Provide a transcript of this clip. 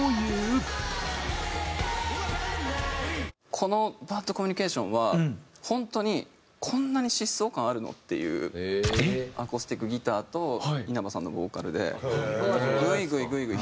この『ＢＡＤＣＯＭＭＵＮＩＣＡＴＩＯＮ』は本当にこんなに疾走感あるの？っていうアコースティックギターと稲葉さんのボーカルでグイグイグイグイ。